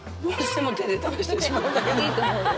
いいと思うよ。